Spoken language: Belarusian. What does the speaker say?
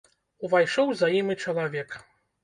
Увайшоў за ім і чалавек.